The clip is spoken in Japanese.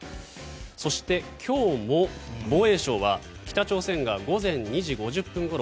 そして、今日も防衛省は北朝鮮が午前２時５０分ごろ